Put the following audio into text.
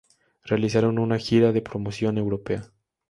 Realizaron una gira de promoción europea.